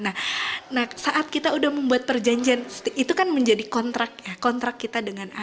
nah saat kita sudah membuat perjanjian itu kan menjadi kontrak ya kontrak kita